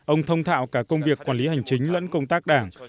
ông thông thạo cả công việc quản lý hành chính lẫn công tác đảng